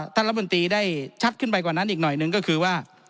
รัฐมนตรีได้ชัดขึ้นไปกว่านั้นอีกหน่อยหนึ่งก็คือว่า